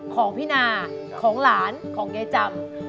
ของพี่นาของหลานของยายจำ